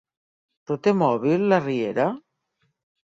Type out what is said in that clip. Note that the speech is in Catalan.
Però té mòbil, la Riera?